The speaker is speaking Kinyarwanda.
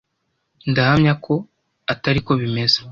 Ndahamya ko atari ko bimeze.